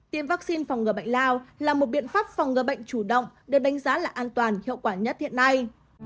tiêm vaccine phòng ngừa bệnh lao là một biện pháp phòng ngừa bệnh chủ động được đánh giá là an toàn hiệu quả nhất hiện nay